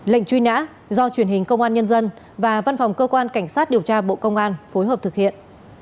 lệnh truy nã do truyền hình công an nhân dân và văn phòng cơ quan cảnh sát điều tra bộ công an phối hợp thực hiện